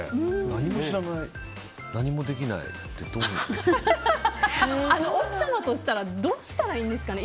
何も知らない、何もできないって奥様としたらどうしたらいいんですかね。